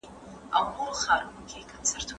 زه لوښي وچولي دي؟!